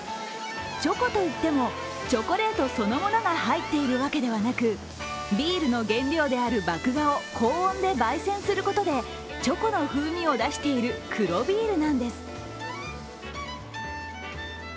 チョコといっても、チョコレートそのものが入っているわけではなくビールの原料である麦芽を高温でばい煎することでチョコの風味を出している黒ビールなんです。